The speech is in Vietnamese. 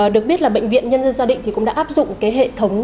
được biết là bệnh viện nhân dân gia định thì cũng đã áp dụng cái hệ thống